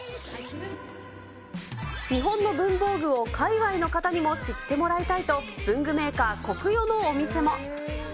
日本の文房具を海外の方にも知ってもらいたいと、文具メーカー、コクヨのお店も。